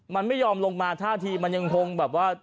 มันไม่ยอมลงมาท่าทีมันยังคงแบบว่า